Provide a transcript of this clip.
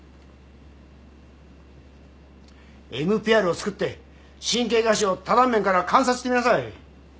ＭＰＲを作って神経芽腫を多断面から観察してみなさい。